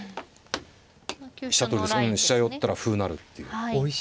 飛車取りで飛車寄ったら歩成るっていう。